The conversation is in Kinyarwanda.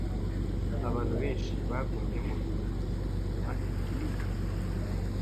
Abantu benshi bagumye mugihe gito nyuma yerekana.